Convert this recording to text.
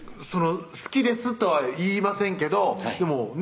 「好きです」とは言いませんけどでもね